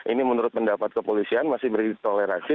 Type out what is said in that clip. ini menurut pendapat kepolisian masih diberi tolerasi